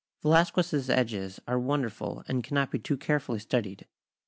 Velazquez's edges are wonderful, and cannot be too carefully studied.